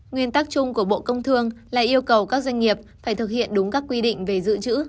nguyên tắc chung của bộ công thương là yêu cầu các doanh nghiệp phải thực hiện đúng các quy định về dự trữ